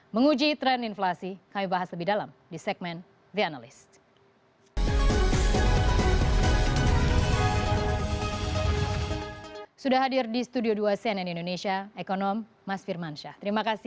menguji tren inflasi kami bahas lebih dalam di segmen the analyst